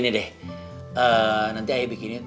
oke nanti ayah bikinin